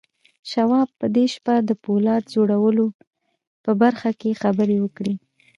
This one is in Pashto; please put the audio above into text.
شواب په دې شپه د پولاد جوړولو په برخه کې خبرې وکړې.